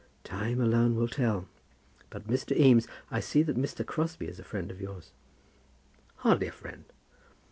"Time alone can tell. But, Mr. Eames, I see that Mr. Crosbie is a friend of yours." "Hardly a friend."